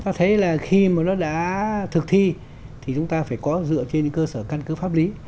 ta thấy là khi mà nó đã thực thi thì chúng ta phải có dựa trên cơ sở căn cứ pháp lý